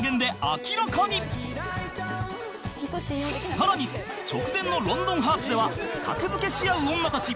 更に直前の『ロンドンハーツ』では格付けしあう女たち